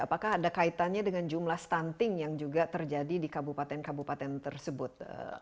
apakah ada kaitannya dengan jumlah stunting yang juga terjadi di kabupaten kabupaten tersebut